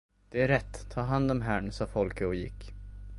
Det är rätt, tag hand om herrn, sade Folke och gick.